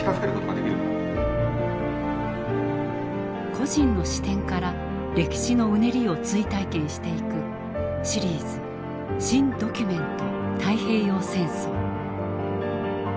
個人の視点から歴史のうねりを追体験していく「シリーズ新・ドキュメント太平洋戦争」。